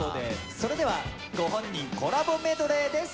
それではご本人コラボメドレーです